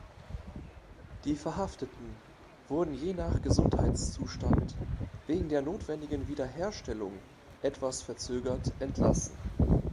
Die Verhafteten wurden je nach Gesundheitszustand wegen der notwendigen „Wiederherstellung“ etwas verzögert entlassen.